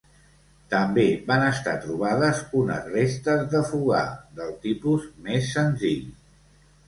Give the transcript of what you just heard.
També van estar trobades unes restes de fogar, del tipus més senzill.